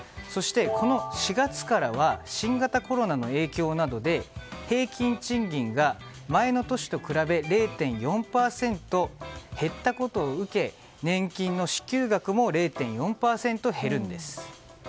そして、この４月からは新型コロナの影響などで平均賃金が前の年と比べ０．４％減ったことを受け年金の支給額も０．４％減るんです。